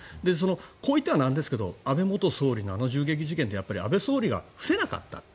こう言ったらなんですけど安倍元総理のあの銃撃事件で安倍元総理が伏せなかった。